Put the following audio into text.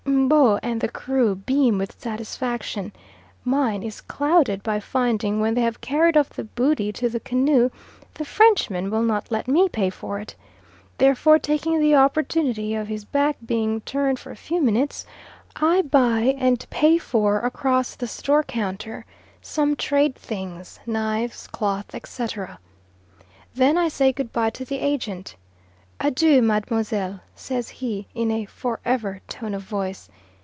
M'bo and the crew beam with satisfaction; mine is clouded by finding, when they have carried off the booty to the canoe, that the Frenchman will not let me pay for it. Therefore taking the opportunity of his back being turned for a few minutes, I buy and pay for, across the store counter, some trade things, knives, cloth, etc. Then I say goodbye to the Agent. "Adieu, Mademoiselle," says he in a for ever tone of voice.